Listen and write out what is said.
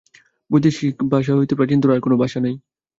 বৈদিক ভাষা হইতে প্রাচীনতর আর কোন ভাষা নাই।